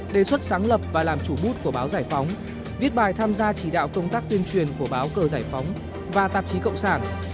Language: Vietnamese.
đề xuất sáng lập và làm chủ bút của báo giải phóng viết bài tham gia chỉ đạo công tác tuyên truyền của báo cờ giải phóng và tạp chí cộng sản